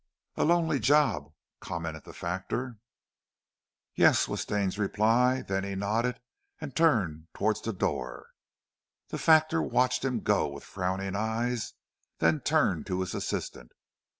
"A lonely job!" commented the factor. "Yes," was Stane's reply, then he nodded and turned towards the door. The factor watched him go with frowning eyes, then turned to his assistant.